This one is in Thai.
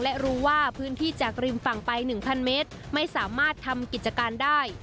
และรู้ว่าพื้นที่จากริมฝั่งไป๑๐๐เมตรไม่สามารถทำกิจการได้